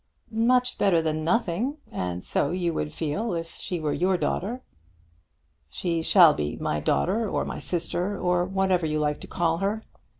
"Much better than nothing. And so you would feel if she were your daughter." "She shall be my daughter, or my sister, or whatever you like to call her.